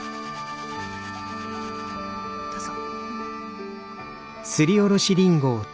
どうぞ。